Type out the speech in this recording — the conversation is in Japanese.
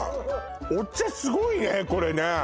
お茶すごいねこれね何？